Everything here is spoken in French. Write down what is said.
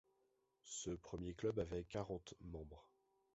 Ce premier club avait quarante membres.